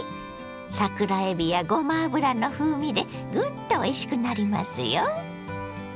桜えびやごま油の風味でグンとおいしくなりますよ。